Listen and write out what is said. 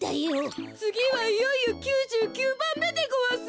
つぎはいよいよ９９ばんめでごわす。